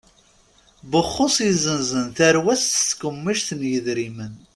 Buxus yezzenzen tarwa-s s tkemmic n yidrimen.